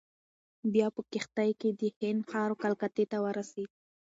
بیا په کښتۍ کې د هند ښار کلکتې ته ورسېد.